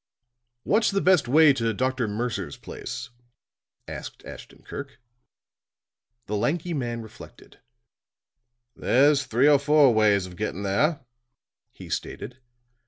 "What's the best way to Dr. Mercer's place?" asked Ashton Kirk. The lanky man reflected. "There's three or four ways of getting there," he stated.